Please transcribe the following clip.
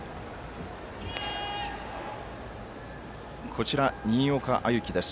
こちら新岡歩輝です。